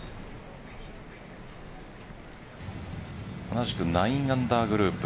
同じく９アンダーグループ